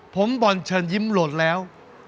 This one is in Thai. ผมบอลเชิญยิ้มโหลดแล้ว